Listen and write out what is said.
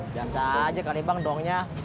biasa aja kali bang dongnya